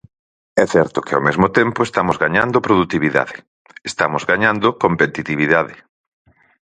É certo que ao mesmo tempo estamos gañando produtividade, estamos gañando competitividade.